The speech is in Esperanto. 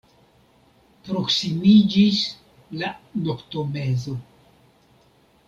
Proksimiĝis la noktomezo.